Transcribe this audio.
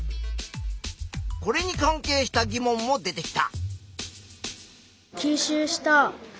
これに関係した疑問も出てきた。